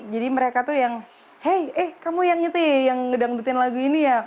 jadi mereka tuh yang hey eh kamu yang itu ya yang ngedangdutin lagu ini ya